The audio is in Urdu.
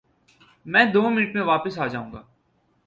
میں دو منٹ میں واپس آ جاؤں گا